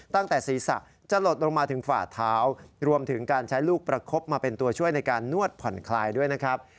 ตั้งแต่ศีรษะจะหลดลงมาถึงฝ่าเท้ารวมถึงการใช้ลูกประคบมาเป็นตัวช่วยในการนวดผ่อนคลายด้วยนะครับ